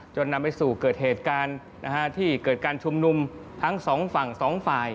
นำไปสู่เกิดเหตุการณ์ที่เกิดการชุมนุมทั้งสองฝั่งสองฝ่าย